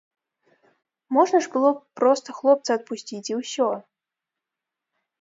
Можна ж было б проста хлопца адпусціць, і ўсё.